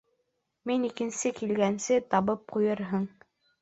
Мин икенсе килгәнсе табып ҡуйырһың.